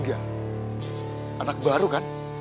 anak baru kan